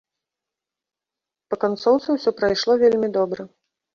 Па канцоўцы ўсё прайшло вельмі добра.